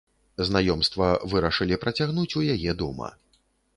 Знаёмства вырашылі працягнуць у яе дома.